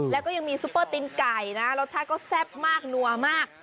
แล้วก็ยังมีซุปเปอร์ตินไก่นะรสชาติก็แซ่บมากนัวมาก